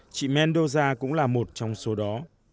chị mendoza cũng là một trong số đó